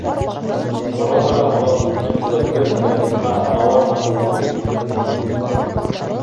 Тора-бара улар үҙенә күрә бер брэндҡа, тауар маркаһына әйләнде.